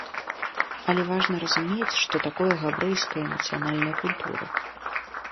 Але важна разумець, што такое габрэйская нацыянальная культура.